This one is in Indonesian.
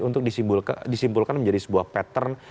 untuk disimpulkan menjadi sebuah pattern